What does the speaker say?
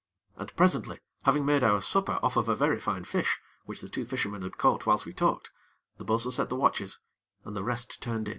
And, presently, having made our supper off a very fine fish, which the two fishermen had caught whilst we talked, the bo'sun set the watches, and the rest turned in.